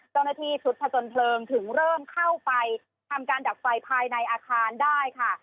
เจ้าหน้าที่ชุดผจญเพลิงถึงเริ่มเข้าไปทำการดับไฟภายในอาคารได้ค่ะ